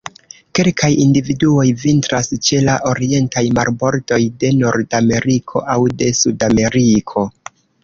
Kelkaj individuoj vintras ĉe la orientaj marbordoj de Nordameriko aŭ de Sudameriko.